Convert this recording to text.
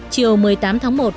chiều một mươi tám tháng một